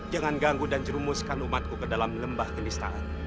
jangan ganggu dan jerumuskan umatku ke dalam lembah kenistaan